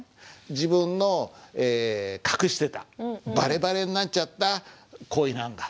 自分の隠してたバレバレになっちゃった恋なんだ。